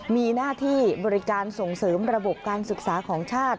มีหน้าที่บริการส่งเสริมระบบการศึกษาของชาติ